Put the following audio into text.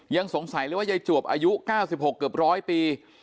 ยังสงสัยเลยว่ายายจวบอายุ๙๖เกือบ๑๐๐ปี